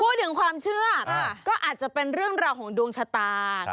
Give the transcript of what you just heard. พูดถึงความเชื่อก็อาจจะเป็นเรื่องราวของดวงชะตา